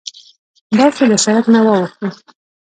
داسې له سرک نه واوښتوو.